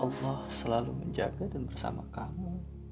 allah selalu menjaga dan bersama kamu